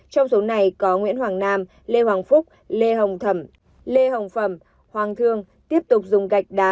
trong số này có nguyễn hoàng nam lê hoàng phúc lê hồng thẩm lê hồng phẩm hoàng thương tiếp tục dùng gạch đá